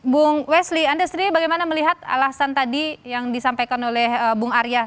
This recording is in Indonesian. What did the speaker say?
bung wesli anda sendiri bagaimana melihat alasan tadi yang disampaikan oleh bung arya